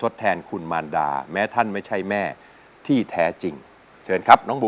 สวัสดีครับ